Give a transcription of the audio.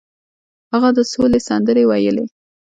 هغه د سولې سندرې ویلې.